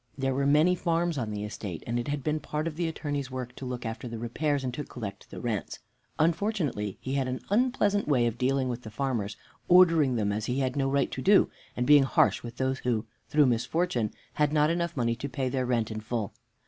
There were many farms on the estate, and it had been part of the Attorney's work to look after the repairs and to collect the rents. Unfortunately, he had an unpleasant way of dealing with the farmers, ordering them as he had no right to do, and being harsh with those who, through misfortune, had not enough money to to pay their rent in full.